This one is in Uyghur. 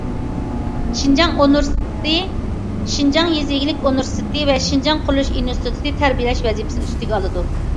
شىنجاڭ ئۇنىۋېرسىتېتى، شىنجاڭ يېزا ئىگىلىك ئۇنىۋېرسىتېتى ۋە شىنجاڭ قۇرۇلۇش ئىنستىتۇتى تەربىيەلەش ۋەزىپىسىنى ئۈستىگە ئالىدۇ.